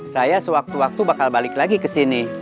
saya sewaktu waktu bakal balik lagi kesini